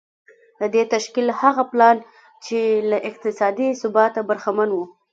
د دې تشکيل هغه پلان چې له اقتصادي ثباته برخمن و.